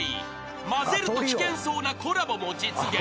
［まぜると危険そうなコラボも実現］